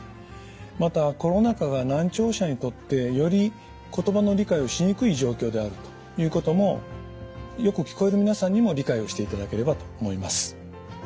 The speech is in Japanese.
またコロナ禍が難聴者にとってより言葉の理解をしにくい状況であるということもよく聞こえる皆さんにも理解をしていただければと思います。